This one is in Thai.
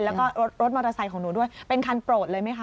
แล้วก็รถมอเตอร์ไซค์ของหนูด้วยเป็นคันโปรดเลยไหมคะ